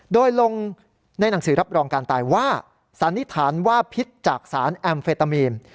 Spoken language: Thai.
โดยลงในหนังสือรับรองการตายว่าสันนิษฐานว่าพิษจากสารแอมเฟตามีน